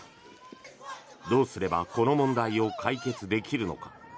どうすればこの問題を解決できるのか。